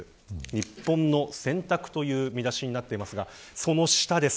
日本の選択という見出しになっていますがその下です。